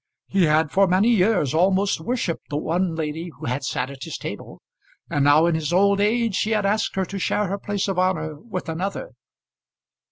He had for many years almost worshipped the one lady who had sat at his table, and now in his old age he had asked her to share her place of honour with another.